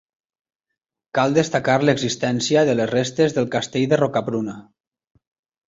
Cal destacar l'existència de les restes del Castell de Rocabruna.